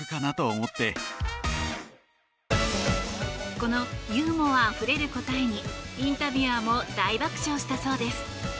このユーモアあふれる答えにインタビュアーも大爆笑したそうです。